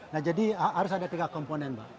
nah jadi harus ada tiga komponen mbak